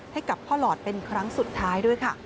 ให้กับพ่อหลอดเป็นครั้งสุดท้ายด้วยค่ะ